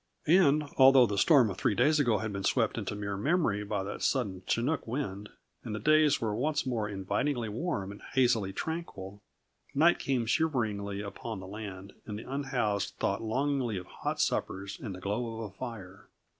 And, although the storm of three days ago had been swept into mere memory by that sudden chinook wind, and the days were once more invitingly warm and hazily tranquil, night came shiveringly upon the land and the unhoused thought longingly of hot suppers and the glow of a fire.